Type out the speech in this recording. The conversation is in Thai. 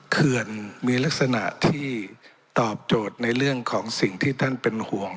เขื่อนมีลักษณะที่ตอบโจทย์ในเรื่องของสิ่งที่ท่านเป็นห่วง